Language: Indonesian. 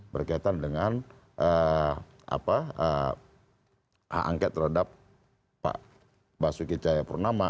berkaitan dengan hak angket terhadap pak basuki cahayapurnama